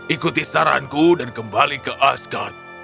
ikuti saranku dan kembali ke askad